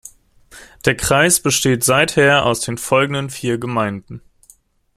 Der Kreis besteht seither aus den folgenden vier Gemeinden.